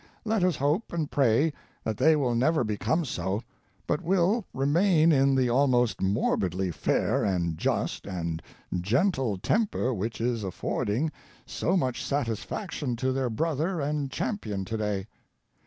Let us hope and pray that they will never become so, but will remain in the almost morbidly fair and just and gentle temper which is affording so much satisfaction to their brother and champion to day.